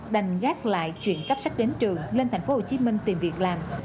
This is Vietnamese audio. đành gác lại chuyển cấp sách đến trường lên tp hcm tìm việc làm